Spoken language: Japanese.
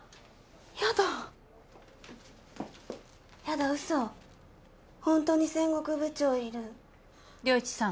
ヤダヤダ嘘ホントに戦国部長いる良一さん